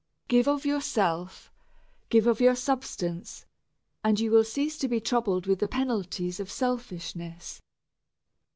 Give of yourself, give of your substance, and you will cease to be troubled with the penalties of selfishness.